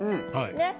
ねっ。